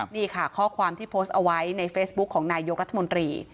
นี่ค่ะข้อความที่โพสต์เอาไว้ในเฟซบุ๊คของนายกรัฐมนตรี